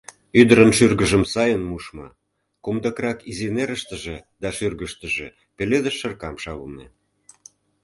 Ӱдырын шӱргыжым сайын мушмо, комдыкрак изи нерыштыже да шӱргыштыжӧ — пеледыш шыркам шавыме.